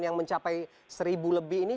yang mencapai seribu lebih ini